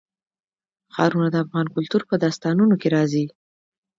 ښارونه د افغان کلتور په داستانونو کې راځي.